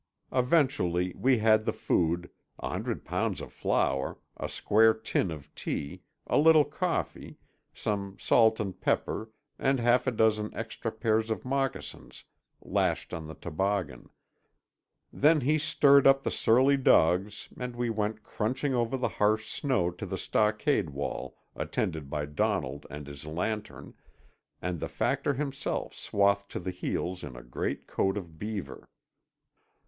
Eventually we had the food, a hundred pounds of flour, a square tin of tea, a little coffee, some salt and pepper and half a dozen extra pairs of moccasins lashed on the toboggan. Then he stirred up the surly dogs and we went crunching over the harsh snow to the stockade wall attended by Donald and his lantern, and the Factor himself swathed to the heels in a great coat of beaver.